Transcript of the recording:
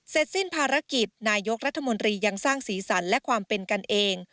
เสร็จสิ้นภารกิจนายกรรธมรียังสร้างศีรษรร่ะความเป็นกันเอง